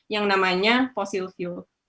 yang namanya fossil fuel